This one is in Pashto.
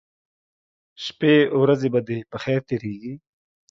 شپې ورځې به دې په خیر تیریږي